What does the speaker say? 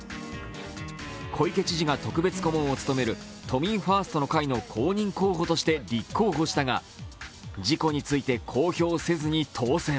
小池知事が特別顧問を務める都民ファーストの会の公認候補として立候補したが事故について公表せずに当選。